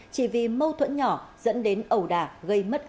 chỉ vì mâu thuẫn nhỏ dẫn đến ẩu đả gây mất an ninh